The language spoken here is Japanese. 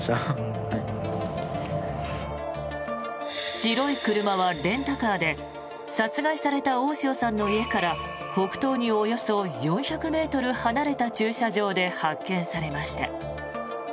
白い車はレンタカーで殺害された大塩さんの家から北東におよそ４００ｍ離れた駐車場で発見されました。